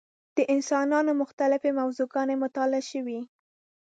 د انسانانو مختلفې موضوع ګانې مطالعه شوې.